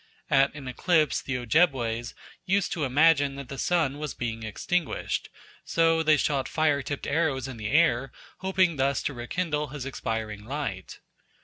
At an eclipse the Ojebways used to imagine that the sun was being extinguished. So they shot fire tipped arrows in the air, hoping thus to rekindle his expiring light.